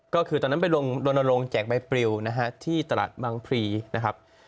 ก็คือตอนนั้นไปลงแจกใบปริวนะฮะที่ตลาดบางพรีนะครับ